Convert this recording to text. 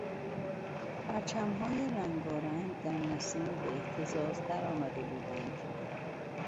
پرچمهای رنگارنگ در نسیم به اهتزاز درآمده بودند.